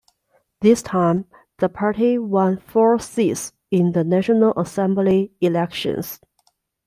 This time the party won four seats in the National Assembly elections.